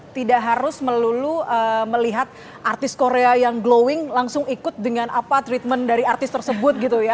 tidak harus melulu melihat artis korea yang glowing langsung ikut dengan apa treatment dari artis tersebut gitu ya